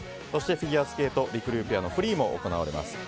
そしてフィギュアスケートりくりゅうペアのフリーも行われます。